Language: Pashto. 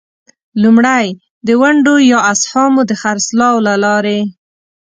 لومړی: د ونډو یا اسهامو د خرڅلاو له لارې.